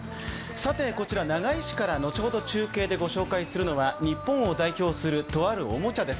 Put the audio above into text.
こちら、長井市から後ほど中継で御紹介するのは日本を代表する、とあるおもちゃです。